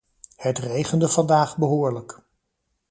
Het regende vandaag behoorlijk.